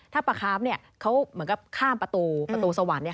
ถ้าปลาคาร์ฟเขาเหมือนกับข้ามประตูสวรรค์